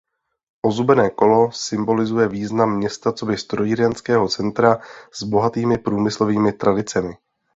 Ozubené kolo symbolizuje význam města coby strojírenského centra s bohatými průmyslovými tradicemi.